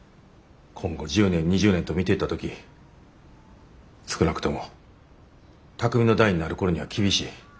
今後１０年２０年と見ていった時少なくとも巧海の代になる頃には厳しい。